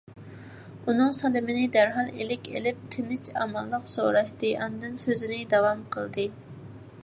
ئۇنىڭ سالىمىنى دەرھال ئىلىك ئېلىپ، تىنچ - ئامانلىق سوراشتى، ئاندىن سۆزىنى داۋام قىلدى: